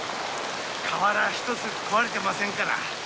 瓦ひとつ壊れてませんから。